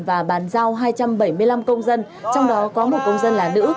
và bàn giao hai trăm bảy mươi năm công dân trong đó có một công dân là nữ